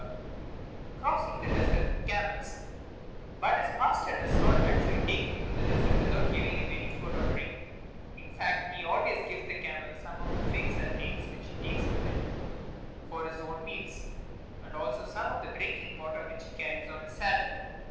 [Illustration: Crossing the Desert with Camels] But his master does not actually take him through the desert without giving him any food or drink; in fact he always gives the camel some of the figs and dates which he takes with him for his own meals, and also some of the drinking water which he carries on his saddle.